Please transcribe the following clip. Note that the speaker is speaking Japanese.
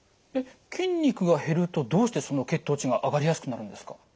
筋肉が減るとどうしてその血糖値が上がりやすくなるんですか？